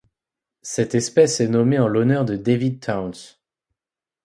Cette espèce est nommée en l'honneur de David Towns.